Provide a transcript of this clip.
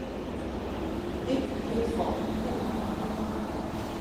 Ik hjit fan Henk.